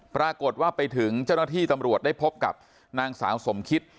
ปรากฏว่าไปถึงเจ้าหน้าที่ตำรวจได้พบกับนางสาวสมคิต